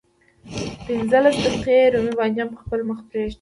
پنځلس دقيقې رومي بانجان په خپل مخ پرېږدئ.